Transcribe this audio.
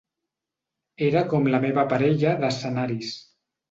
Era com la meva parella d’escenaris.